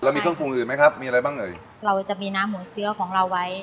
มีเครื่องปรุงอื่นไหมครับมีอะไรบ้างเอ่ยเราจะมีน้ำหมูเชื้อของเราไว้